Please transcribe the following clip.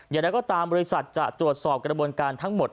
อย่างไรก็ตามบริษัทจะตรวจสอบกระบวนการทั้งหมด